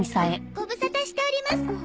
ご無沙汰しております。